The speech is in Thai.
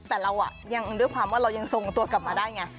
แต่เรายังด้วยความว่าเรายังทรงตัวกลับมาได้ไง